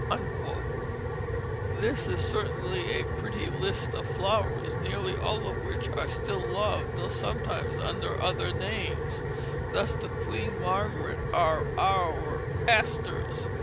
This is certainly a very pretty list of flowers, nearly all of which are still loved, though sometimes under other names thus the Queen Margrets are our asters.